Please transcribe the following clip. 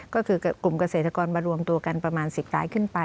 ก็คือกลุ่มเกษตรกรมารวมตัวกันประมาณ๑๐รายขึ้นไป